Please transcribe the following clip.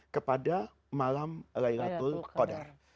kepada malam laylatul qadar